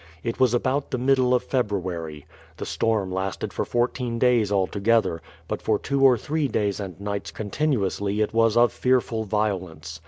It was about the mid dle of February. The storm lasted for fourteen days alto gether; but for two or three days and nights continuously it was of fearful violence.